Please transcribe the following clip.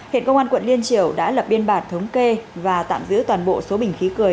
hiện công an quận liên triều đã lập biên bản thống kê và tạm giữ toàn bộ số bình khí cười